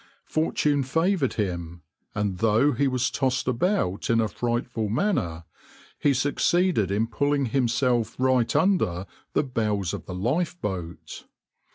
Fortune favoured him, and though he was tossed about in a frightful manner he succeeded in pulling himself right under the bows of the lifeboat.